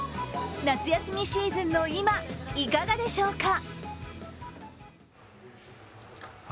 夏休みシーズンの今いかがでしょうか。